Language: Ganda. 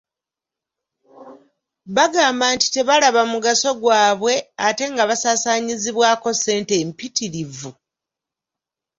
Bagamba nti tebalaba mugaso gwabwe ate nga basaasaanyizibwako ssente mpitirivu.